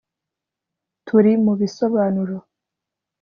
Turi mubisobanuro